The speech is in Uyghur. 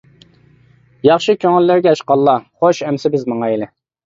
ياخشى كۆڭۈللىرىگە ھەشقاللا، خوش ئەمىسە بىز ماڭايلى.